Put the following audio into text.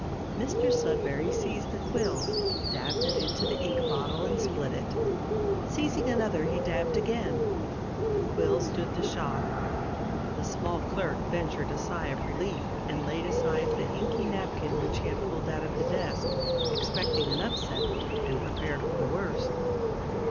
Mr Sudberry seized a quill, dabbed it into the ink bottle, and split it. Seizing another he dabbed again; the quill stood the shock; the small clerk ventured a sigh of relief and laid aside the inky napkin which he had pulled out of his desk expecting an upset, and prepared for the worst.